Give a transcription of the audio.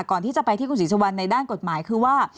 ก่อนที่จะไปที่คุณศรีสุวรรณในด้านกฎหมายคือว่า